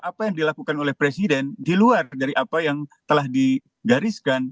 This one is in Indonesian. apa yang dilakukan oleh presiden di luar dari apa yang telah digariskan